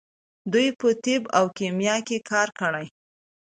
دوی په طب او کیمیا کې کار کړی.